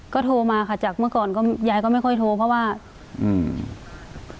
ก็โทรมาค่ะจากเมื่อก่อนก็ยายก็ไม่ค่อยโทรเพราะว่าอืม